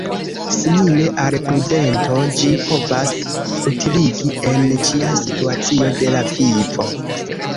Simile al prudento ĝi povas utiligi en ĉia situacio de la vivo.